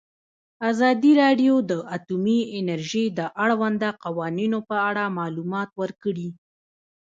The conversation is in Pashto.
ازادي راډیو د اټومي انرژي د اړونده قوانینو په اړه معلومات ورکړي.